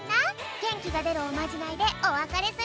げんきがでるおまじないでおわかれするぴょん！